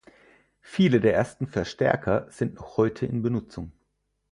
Viele der ersten Verstärker sind noch heute in Benutzung.